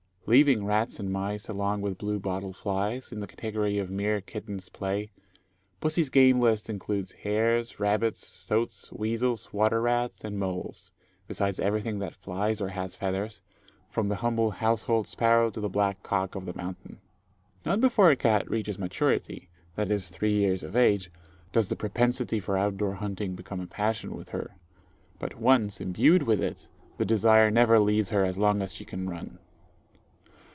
Leaving rats and mice along with blue bottle flies, in the category of mere kitten's play, pussy's game list includes hares, rabbits, stoats, weasels, water rats, and moles, besides everything that flies or has feathers, from the humble household sparrow to the black cock of the mountain. Not before a cat reaches maturity viz., three years of age does the propensity for out door hunting become a passion with her; but once imbued with it, the desire never leaves her as long as she can run.